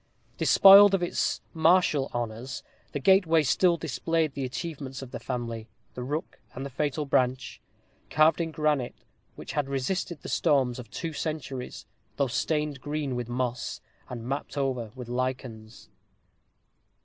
Despoiled of its martial honors, the gateway still displayed the achievements of the family the rook and the fatal branch carved in granite, which had resisted the storms of two centuries, though stained green with moss, and mapped over with lichens.